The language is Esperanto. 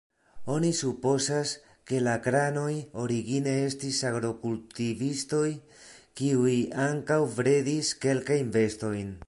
Oni supozas, ke la kranoj origine estis agrokultivistoj, kiuj ankaŭ bredis kelkajn bestojn.